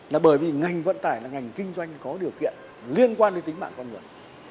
là bởi vì ngành vận tải là ngành kinh doanh có điều kiện liên quan đến tính mạng con người